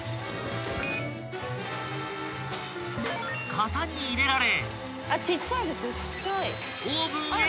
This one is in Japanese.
［型に入れられ］